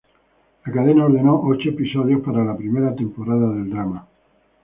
La cadena ordenó ocho episodios para la primera temporada del drama.